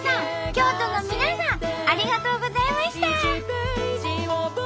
京都の皆さんありがとうございました。